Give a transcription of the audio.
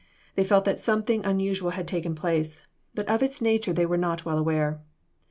They felt that something unusual had taken place, but of its nature they were not well aware.